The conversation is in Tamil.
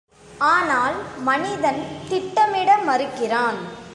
ஆனால் மனிதன் திட்டமிட மறுக்கிறான்.